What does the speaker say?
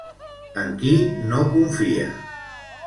En qui no confia?